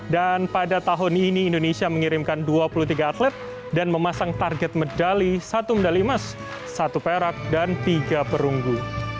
dan pada tahun ini indonesia mengirimkan dua puluh tiga atlet dan memasang target medali satu medali emas satu perak dan tiga perunggu